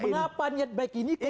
mengapa niat baik ini